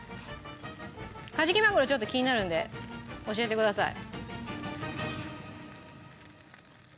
カジキマグロちょっと気になるんで教えてください。